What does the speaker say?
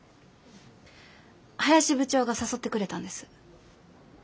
林部長が誘ってくれたんです。